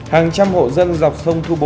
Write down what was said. hàng trăm hộ dân dọc sông thu bồn